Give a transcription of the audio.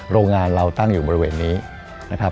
โรงงานเราตั้งอยู่บริเวณนี้นะครับ